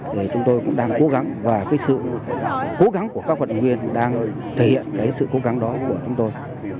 thì chúng tôi cũng đang cố gắng và cái sự cố gắng của các vận động viên đang thể hiện cái sự cố gắng đó của chúng tôi